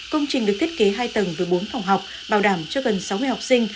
công trình được thiết kế hai tầng với bốn phòng học bảo đảm cho gần sáu mươi học sinh